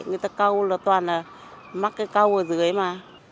người ta câu là toàn là mắc cái câu ở dưới mà